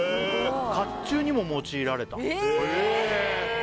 甲冑にも用いられたええーっ